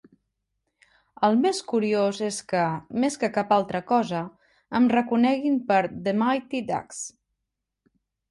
El més curiós és que, més que cap altra cosa, em reconeguin per "The Mighty Ducks".